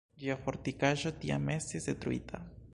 Ĝia fortikaĵo tiam estis detruita.